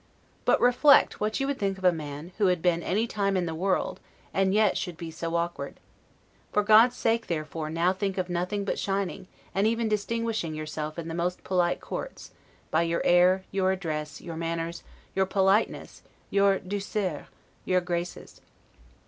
But reflect what you would think of a man, who had been any time in the world, and yet should be so awkward. For God's sake, therefore, now think of nothing but shining, and even distinguishing yourself in the most polite courts, by your air, your address, your manners, your politeness, your 'douceur', your graces.